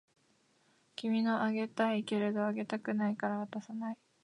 君のあげたいけれどあげたくないから渡さない